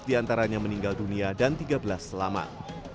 sebelas diantaranya meninggal dunia dan tiga belas selamat